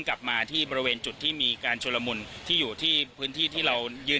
ใครเลย